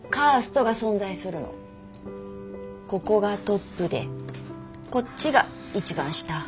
ここがトップでこっちが一番下。